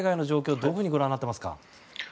どのようにご覧になっていますか？